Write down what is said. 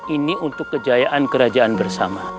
ini untuk kejayaan kerajaan bersama